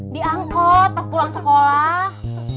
diangkut pas pulang sekolah